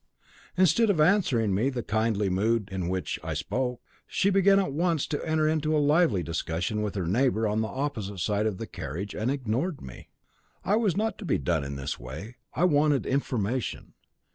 Instead of answering me in the kindly mood in which I spoke, she began at once to enter into a lively discussion with her neighbour on the opposite side of the carriage, and ignored me. I was not to be done in this way. I wanted information.